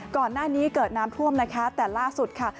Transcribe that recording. ก่อนหน้านี้เกิดน้ำท่วมนะคะแต่ล่าสุดค่ะ